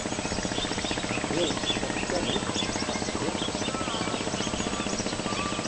Jild dat stom is, makket rjocht wat krom is.